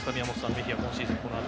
メヒア今シーズン、このあと。